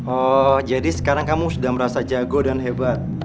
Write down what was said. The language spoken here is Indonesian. oh jadi sekarang kamu sudah merasa jago dan hebat